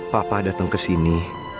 papa dateng kesini